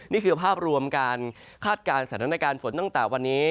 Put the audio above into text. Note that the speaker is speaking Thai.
นี่คือภาพรวมการคาดการณ์สถานการณ์ฝนตั้งแต่วันนี้